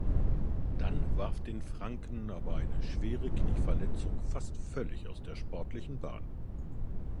Dann warf den Franken aber eine schwere Knieverletzung fast völlig aus der sportlichen Bahn.